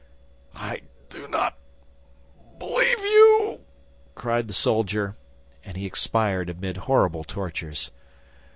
"I do not believe you," cried the soldier, and he expired amid horrible tortures.